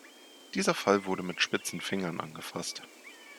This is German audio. Dieser Fall wurde mit spitzen Fingern angefasst.